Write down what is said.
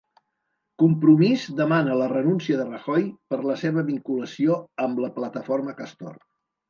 Compromís demana la renúncia de Rajoy per la seva vinculació amb la plataforma Castor